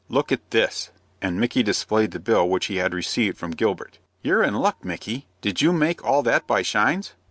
"Look at this," and Micky displayed the bill which he had received from Gilbert. "You're in luck, Micky. Did you make all that by shines?"